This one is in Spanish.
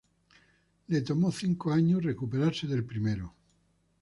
Le tomó cinco años para recuperarse del primero.